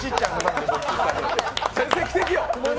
先生、奇跡を！